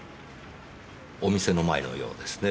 お店の前のようですね。